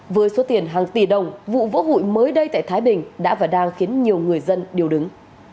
với số tiền hàng tỷ đồng vụ vỡ hụi mới đây tại thái bình đã và đang khiến nhiều người dân điều đứng